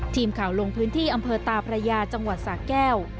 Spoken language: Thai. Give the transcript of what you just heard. ทีมข่าวลงพื้นที่อำเภอตาพระยาจังหวัดสะแก้ว